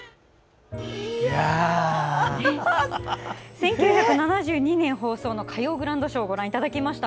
１９７２年放送の「歌謡グランドショー」をご覧いただきました。